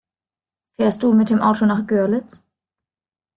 Fährst du mit dem Auto nach Görlitz?